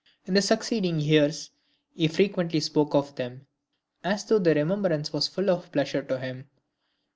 In the succeeding years, he frequently spoke of them, as though the remembrance was full of pleasure to him.